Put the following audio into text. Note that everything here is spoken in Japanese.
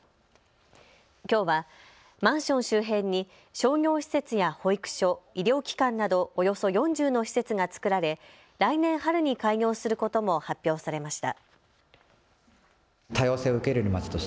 きょうはマンション周辺に商業施設や保育所、医療機関などおよそ４０の施設が作られ、来年春に開業することも発表されました。